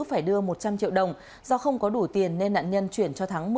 phải đưa một trăm linh triệu đồng do không có đủ tiền nên nạn nhân chuyển cho thắng